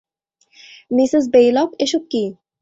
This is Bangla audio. মিসেস বেইলক, এসব কী?